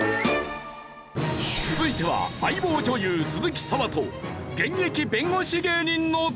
続いては『相棒』女優鈴木砂羽と現役弁護士芸人の対決！